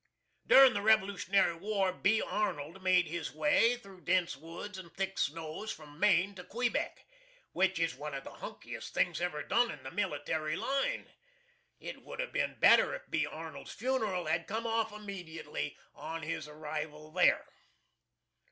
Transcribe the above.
Durin' the Revolutionary War B. ARNOLD made his way, through dense woods and thick snows, from Maine to Quebeck, which it was one of the hunkiest things ever done in the military line. It would have been better if B. ARNOLD'S funeral had come off immeditly on his arrival there.